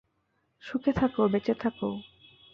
সুখে থাকো, বেঁচে থাকো।